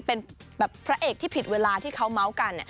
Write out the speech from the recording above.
เป็นพระเอกที่ผิดเวลาที่เขาม้าวกัน